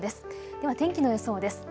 では天気の予想です。